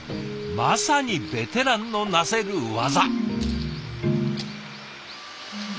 まさにベテランのなせる業！